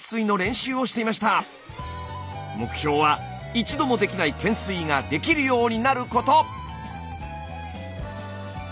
目標は一度もできない懸垂ができるようになること！